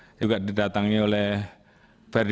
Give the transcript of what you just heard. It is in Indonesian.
ini juga didatangi oleh verdi